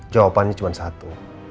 jawabannya cuma satu